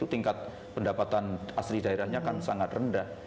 tingkat pendapatan asli daerahnya kan sangat rendah